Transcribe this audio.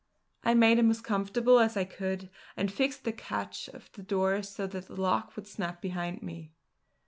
I made him as comfortable as I could, and fixed the catch of the door so that the lock would snap behind me.